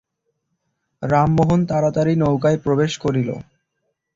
রামমোহন তাড়াতাড়ি নৌকায় প্রবেশ করিল।